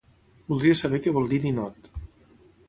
Voldria saber què vol dir ninot.